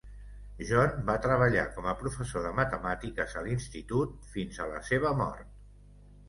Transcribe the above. John va treballar com a professor de matemàtiques a l'institut fins a la seva mort.